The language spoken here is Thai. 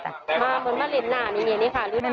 มาคนมาเล่นหน่านอย่างนี้ค่ะ